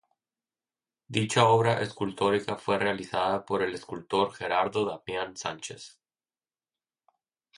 Dicha obra escultórica fue realizada por el escultor Gerardo Damián Sánchez.